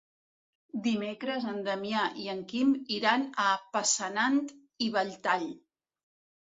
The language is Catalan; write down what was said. Dimecres en Damià i en Quim iran a Passanant i Belltall.